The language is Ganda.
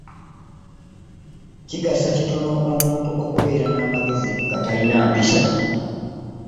Kigasa katono omuntu okubeera n'amagezi nga talina mpisa.